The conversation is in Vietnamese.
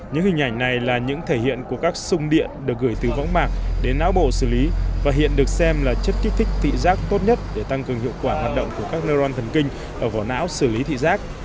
những hình ảnh này là những thể hiện của các sung điện được gửi từ võng mạc đến não bộ xử lý và hiện được xem là chất kích thích thị giác tốt nhất để tăng cường hiệu quả hoạt động của các naron thần kinh ở vỏ não xử lý thị giác